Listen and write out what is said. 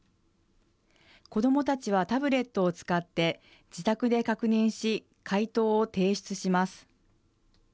子どもたちはタブレットを使って自宅で確認し、解答を提出します。